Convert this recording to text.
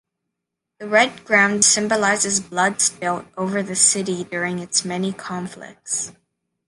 The red ground symbolises blood split over the city during its many conflicts.